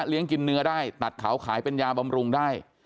กินเนื้อได้ตัดเขาขายเป็นยาบำรุงได้